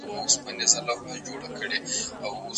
ایا دا ستاسو خپله جوړه کړې وسیله ده؟